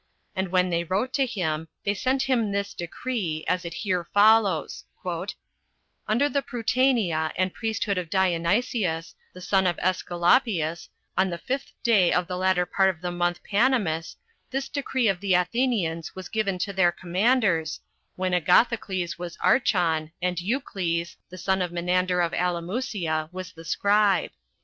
And when they wrote to him, they sent him this decree, as it here follows "Under the prutaneia and priesthood of Dionysius, the son of Esculapius, on the fifth day of the latter part of the month Panemus, this decree of the Athenians was given to their commanders, when Agathocles was archon, and Eucles, the son of Menander of Alimusia, was the scribe.